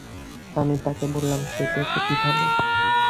আমি তাকে বললাম, কেটেছে কীভাবে?